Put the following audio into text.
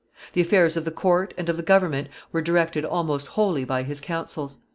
The affairs of the court and of the government were directed almost wholly by his counsels.